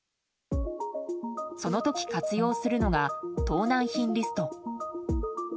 その時、活用するのが盗難品リスト。